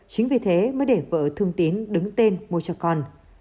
chính vì thế mới để vợ thương tín đứng tên mua cho con